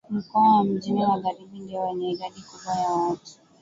Mkoa wa mjini magharibi ndio wenye idadi kubwa ya watu